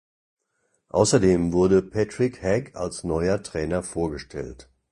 Außerdem wurde Patrick Hagg als neuer Trainer vorgestellt.